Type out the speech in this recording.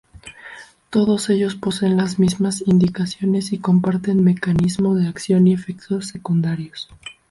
Todos ellos poseen las mismas indicaciones y comparten mecanismo de acción y efectos secundarios.